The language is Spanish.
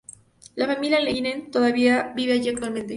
La familia Leiningen todavía vive allí actualmente.